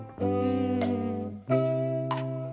うん。